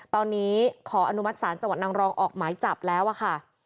ตอนนี้ขออนุมัติศาลจังหวัดนางรองออกหมายจับแล้วค่ะ